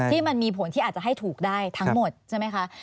ที่มีผลที่อาจจะให้ถูกได้ทั้งหมดใช่ไหมคะ